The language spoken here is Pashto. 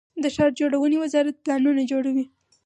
د ښار جوړونې وزارت پلانونه جوړوي